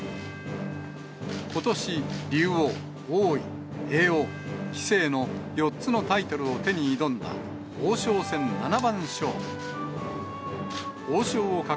ことし、竜王、王位、叡王、棋聖の４つのタイトルを手に挑んだ、王将戦七番勝負。